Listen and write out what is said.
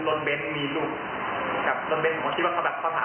ครั้งที่เกิดเยอะที่สุดประมาณ